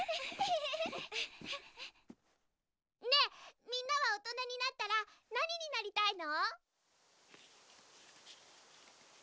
ねえみんなは大人になったら何になりたいの？